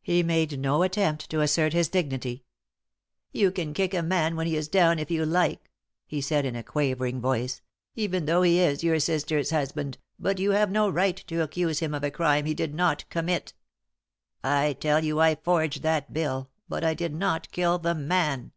He made no attempt to assert his dignity. "You can kick a man when he is down if you like," he said, in a quavering voice, "even though he is your sister's husband, but you have no right to accuse him of a crime he did not commit. I tell you I forged that bill, but I did not kill the man."